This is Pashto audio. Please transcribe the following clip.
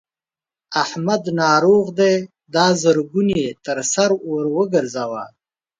احمد ناروغ دی؛ دا زرګون يې تر سر ور ګورځوه.